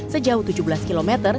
sejauh tujuh belas km